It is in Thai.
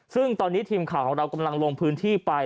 ซึ่งตอนนี้ทีมข่าวของเรากำลังลงพื้นที่ไป